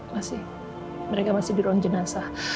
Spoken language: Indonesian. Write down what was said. masih mereka masih di ruang jenazah